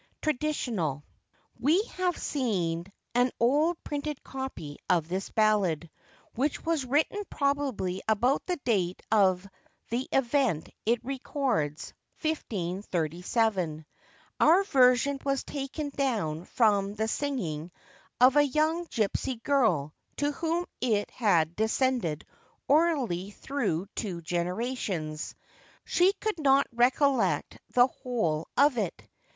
(TRADITIONAL.) [WE have seen an old printed copy of this ballad, which was written probably about the date of the event it records, 1537. Our version was taken down from the singing of a young gipsy girl, to whom it had descended orally through two generations. She could not recollect the whole of it.